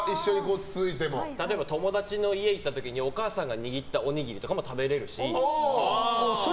友達の家に行った時にお母さんが握ったおにぎりとかも食べられるし。